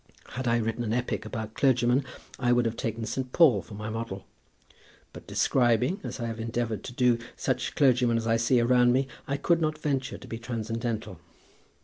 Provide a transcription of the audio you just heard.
Had I written an epic about clergymen, I would have taken St. Paul for my model; but describing, as I have endeavoured to do, such clergymen as I see around me, I could not venture to be transcendental.